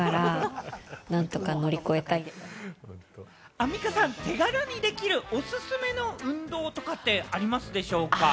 アンミカさん、手軽にできるおすすめの運動とかってありますでしょうか？